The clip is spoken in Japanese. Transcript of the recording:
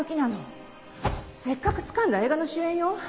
せっかくつかんだ映画の主演よ。